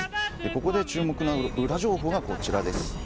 ここで注目のウラ情報があるんです。